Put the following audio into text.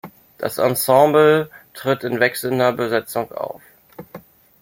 Das Ensemble tritt in wechselnder Besetzung auf.